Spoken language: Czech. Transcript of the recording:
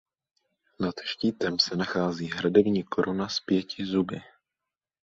Nad štítem se nachází hradební koruna s pěti zuby.